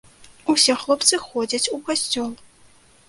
Усе хлопцы ходзяць у касцёл.